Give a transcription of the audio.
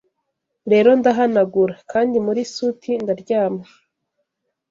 rero ndahanagura, kandi muri suti ndaryama